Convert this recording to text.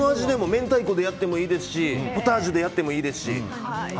明太子でやってもいいですしポタージュでやってもいいですし。